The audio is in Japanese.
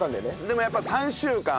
でもやっぱり３週間。